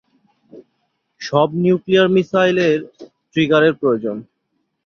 সব নিউক্লিয়ার মিসাইলের, ট্রিগারের প্রয়োজন।